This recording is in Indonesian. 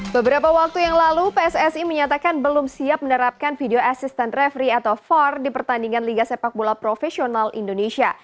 beberapa waktu yang lalu pssi menyatakan belum siap menerapkan video assistant referee atau var di pertandingan liga sepak bola profesional indonesia